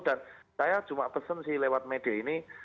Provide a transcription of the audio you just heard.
dan saya cuma pesen sih lewat media ini